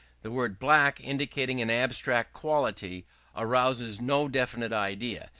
The word "black," indicating an abstract quality, arouses no definite idea.